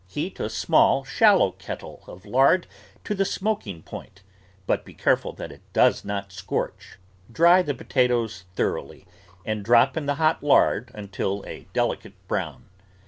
Heat a small shallow kettle of lard to the smoking point, but be careful that it does not scorch. Dry the po tatoes thoroughly and drop in the hot lard until a delicate brown.